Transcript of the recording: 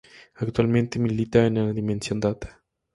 Actualmente milita en el Dimension Data.